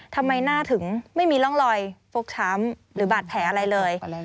ทำไมหน้าถึงไม่มีร่องรอยฟกช้ำหรือบาดแผลอะไรเลย